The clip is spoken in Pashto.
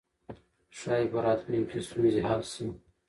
ښايي په راتلونکي کې ستونزې حل شي.